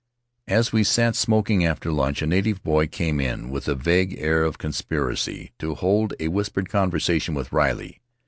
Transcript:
As we sat smoking after lunch, a native boy came in, with a vague air of conspiracy, to hold a whispered conversation with Riley.